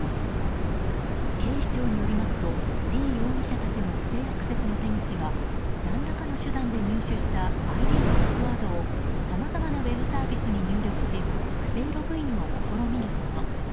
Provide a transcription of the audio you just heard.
警視庁によりますとリ容疑者たちの不正アクセスの手口は何らかの手段で入手したＩＤとパスワードをさまざまなウェブサービスに入力し不正ログインを試みるもの。